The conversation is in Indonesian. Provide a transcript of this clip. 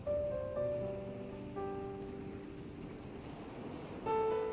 tuhan aku ingin menang